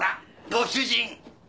ご主人。